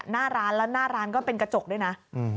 หน้าร้านแล้วหน้าร้านก็เป็นกระจกด้วยนะ